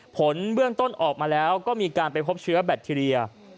ผลเบื้องต้นออกมาแล้วก็มีการไปพบเชื้อแบคทีเรีย